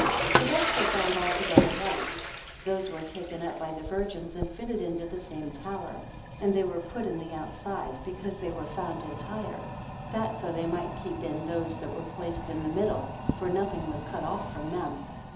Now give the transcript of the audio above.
71 The rest were found altogether white; those were taken up by the virgins, and fitted into the same tower: and they were put in the outside, because they were found entire; that so they might keep in those that were placed in the middle, for nothing was cut off from them.